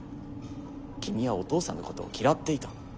君はお父さんのことを嫌っていた。